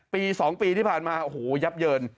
ปี๒ปีที่ผ่านมาโอ้โหยับเยิน